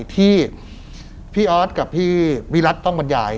ที่พี่ออสกับพี่วิรัติต้องบรรยาย